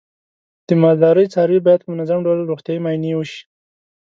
د مالدارۍ څاروی باید په منظم ډول روغتیايي معاینې وشي.